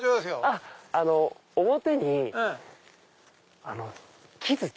あの表に木づち。